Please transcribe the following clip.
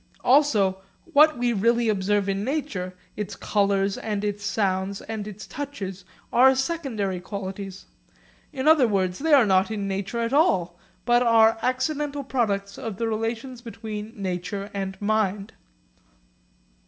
Also what we really observe in nature, its colours and its sounds and its touches are secondary qualities; in other words, they are not in nature at all but are accidental products of the relations between nature and mind.